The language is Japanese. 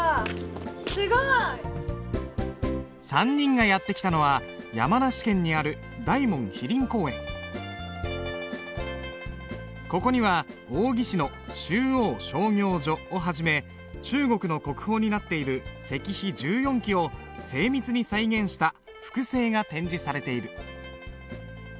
すごい！３人がやって来たのは山梨県にあるここには王羲之の「集王聖教序」をはじめ中国の国宝になっている石碑１４基を精密に再現した複製が展示されている。